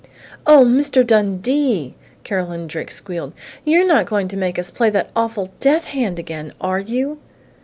"Oh, Mr. Dundee!" Carolyn Drake squealed. "You're not going to make us play that awful 'death hand' again, are you?"